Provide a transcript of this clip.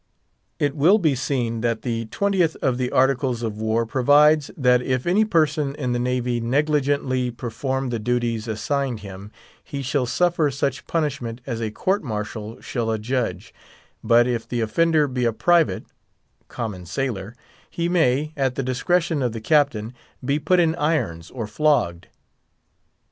It will be seen that the XXth of the Articles of War provides, that if any person in the Navy negligently perform the duties assigned him, he shall suffer such punishment as a court martial shall adjudge; but if the offender be a private (common sailor) he may, at the discretion of the Captain, be put in irons or flogged.